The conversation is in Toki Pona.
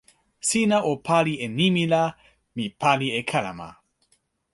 sina o pali e nimi la, mi pali e kalama.